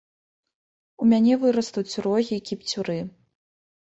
У мяне вырастуць рогі, кіпцюры.